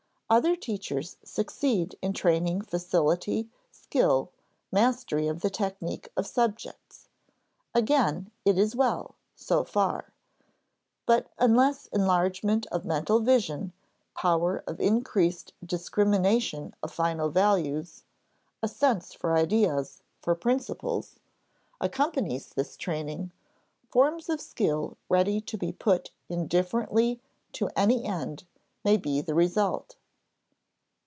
Other teachers succeed in training facility, skill, mastery of the technique of subjects. Again it is well so far. But unless enlargement of mental vision, power of increased discrimination of final values, a sense for ideas for principles accompanies this training, forms of skill ready to be put indifferently to any end may be the result.